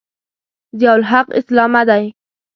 ضیأالحق اسلامه دی.